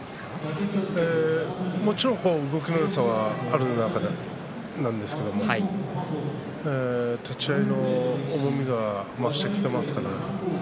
もちろん動きのよさはありますし立ち合いの重みが増してきています。